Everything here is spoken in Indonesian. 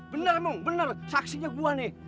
bener mong bener saksinya gue nih